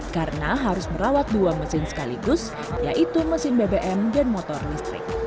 karena harus merawat dua mesin sekaligus yaitu mesin bbm dan motor listrik